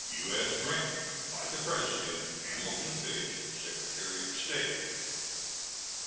U.S. GRANT. By the President: HAMILTON FISH, Secretary of State.